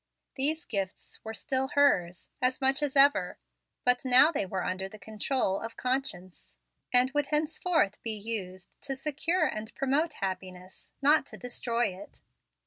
These gifts were still hers, as much as ever. But now they were under the control of conscience, and would henceforth be used to secure and promote happiness, not to destroy it.